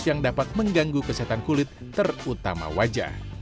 yang dapat mengganggu kesehatan kulit terutama wajah